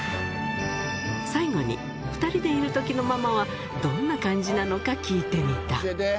最後に２人でいるときのママは、どんな感じなのか、聞いてみた。